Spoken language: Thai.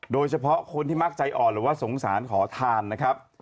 โดยเฉพาะคนที่มักใจอ่อนหรือว่าสงสารขอทานนะครับ